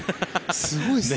すごいですね。